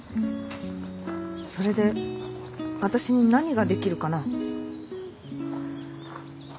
それで私に何ができるかな？